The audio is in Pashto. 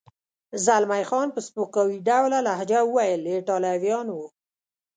زلمی خان په سپکاوي ډوله لهجه وویل: ایټالویان و.